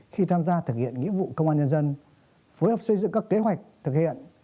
khi tham gia thực hiện nghĩa vụ công an nhân dân phối hợp xây dựng các kế hoạch thực hiện